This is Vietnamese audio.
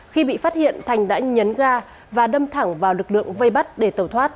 khi bị phát hiện thành đã nhấn ga và đâm thẳng vào lực lượng vây bắt để tẩu thoát